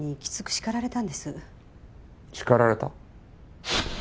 叱られた？